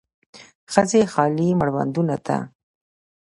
ښځې خالي مړوندونو ته